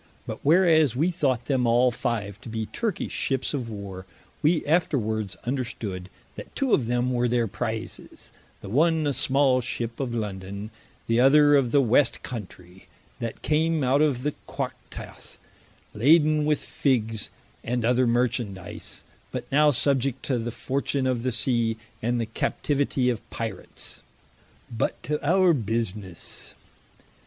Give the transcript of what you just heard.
But whereas we thought them all five to be Turkish ships of war, we afterwards understood, that two of them were their prizes, the one a smal ship of London, the other of the West countrey, that came out of the Quactath laden with figges, and other Merchandise, but now subiect to the fortune of the Sea, and the captivity of Pirats. But to our businesse.